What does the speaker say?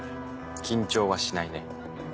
緊張はしないね。